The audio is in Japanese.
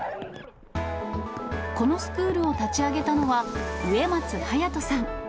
このスクールを立ち上げたのは、植松隼人さん。